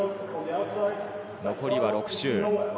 残りは６周。